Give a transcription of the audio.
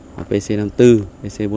để tăng cường các đơn vị nghiệp vụ